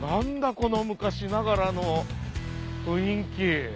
この昔ながらの雰囲気。